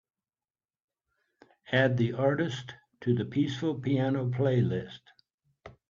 Add the artist to the peaceful piano playlist.